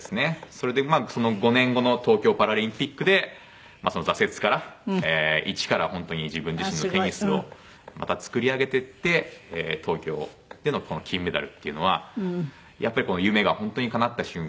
それでその５年後の東京パラリンピックでその挫折から一から本当に自分自身のテニスをまた作り上げていって東京でのこの金メダルっていうのはやっぱり夢が本当にかなった瞬間で。